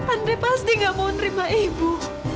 andre pasti ga mau nerima ibu